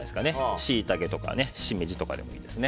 シイタケとかシメジとかでもいいですね。